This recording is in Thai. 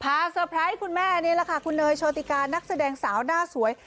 เซอร์ไพรส์คุณแม่นี่แหละค่ะคุณเนยโชติกานักแสดงสาวหน้าสวย